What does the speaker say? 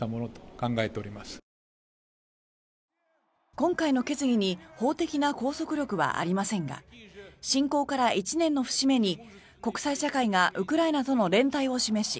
今回の決議に法的な拘束力はありませんが侵攻から１年の節目に国際社会がウクライナとの連帯を示し